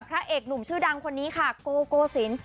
พระเอกหนุ่มชื่อดังคนนี้ค่ะโกโกศิลป์